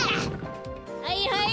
はいはい！